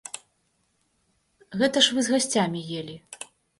Гэта ж вы з гасцямі елі.